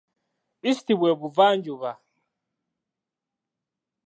East bwe Buvanjuba